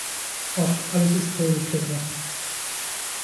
Och, alles ist voll gekleckert!